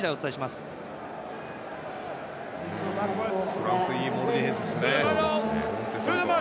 フランスはいいモールディフェンスですね。